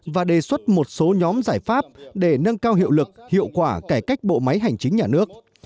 và đề xuất một số nhóm giải pháp để nâng cao hiệu lực hiệu quả cải cách bộ máy hành chính nhà nước